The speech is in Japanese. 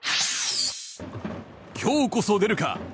今日こそ出るか？